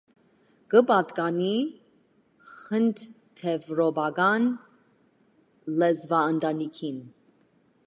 Կը պատկանի հնդեւրոպական լեզուաընտանիքին։